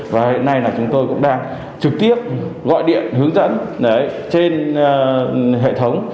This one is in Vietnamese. và hôm nay chúng tôi cũng đang trực tiếp gọi điện hướng dẫn trên hệ thống